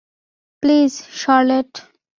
Please, Charlotte.